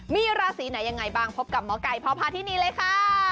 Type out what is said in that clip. มีราศีไหนยังไงบ้างพบกับหมอไก่พอพาที่นี่เลยค่ะ